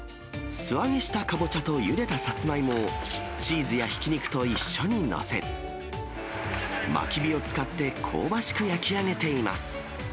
素揚げしたかぼちゃとゆでたさつまいもをチーズやひき肉と一緒に載せ、まき火を使って、香ばしく焼き上げています。